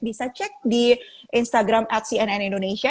bisa cek di instagram at cnn indonesia